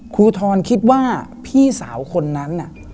คุณธรภ์คิดว่าพี่สาวคนนั้น